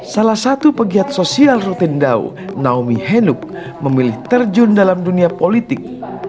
salah satu pegiat sosial rotendau naomi henup memilih terjun dalam dunia politik